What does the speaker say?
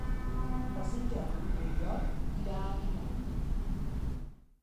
Per Sant Jordi n'Oriol irà a Bunyol.